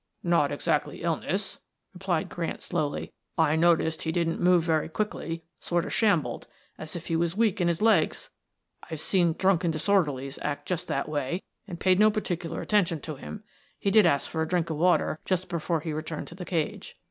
"Not exactly illness," replied Grant slowly. "I noticed he didn't move very quickly; sort of shambled, as if he was weak in his legs. I've seen 'drunk and disorderlies' act just that way, and paid no particular attention to him. He did ask for a drink of water just after he returned to the cage."